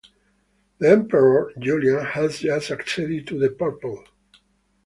The Emperor Julian had just acceded to the purple.